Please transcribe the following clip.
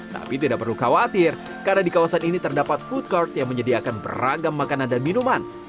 tapi tidak perlu khawatir karena di kawasan ini terdapat food card yang menyediakan beragam makanan dan minuman